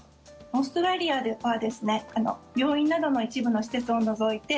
オーストラリアではですね病院などの一部の施設を除いて